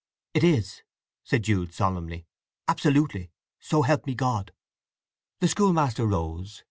"It is," said Jude solemnly. "Absolutely. So help me God!" The schoolmaster rose.